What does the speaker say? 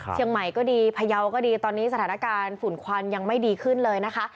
เชียงใหม่ก็ดีพยาวก็ดีตอนนี้สถานการณ์ฝุ่นควันยังไม่ดีขึ้นเลยนะคะ